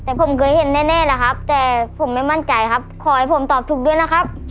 แต่ผมเคยเห็นแน่นะครับแต่ผมไม่มั่นใจครับขอให้ผมตอบถูกด้วยนะครับ